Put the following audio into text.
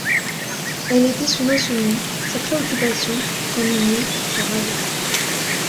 Elle était son insomnie, sa préoccupation, son ennui, sa rage.